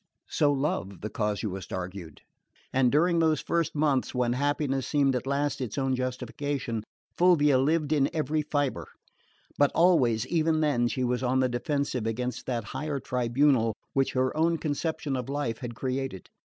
So love, the casuist, argued; and during those first months, when happiness seemed at last its own justification, Fulvia lived in every fibre. But always, even then, she was on the defensive against that higher tribunal which her own conception of life had created.